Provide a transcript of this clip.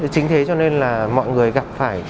chính thế cho nên là mọi người gặp phải